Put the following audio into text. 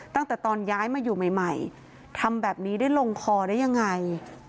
ตั้งแต่ตอนย้ายมาอยู่ใหม่ทำแบบนี้ได้ลงคอได้ยังไง